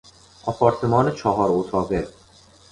آپارتمان چهار اتاقه